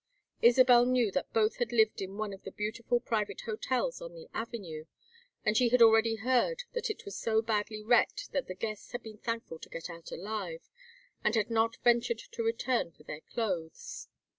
Isabel knew that both had lived in one of the beautiful private hotels on the avenue, and she had already heard that it was so badly wrecked that the guests had been thankful to get out alive and had not ventured to return for their clothes.